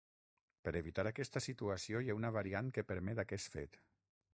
Per evitar aquesta situació hi ha una variant que permet aquest fet.